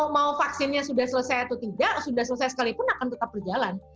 mau vaksinnya sudah selesai atau tidak sudah selesai sekalipun akan tetap berjalan